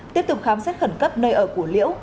tiếp tục khám xét khẩn cấp nơi ở của liễu